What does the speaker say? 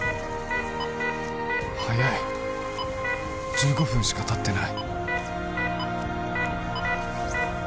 １５分しか経ってない